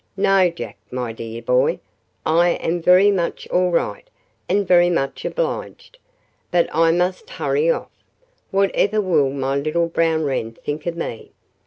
No, Jack, my dear boy, I am very much all right, and very much obliged. But I must hurry off. Whatever will my little brown Wren think of me?"